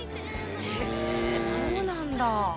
へえそうなんだ。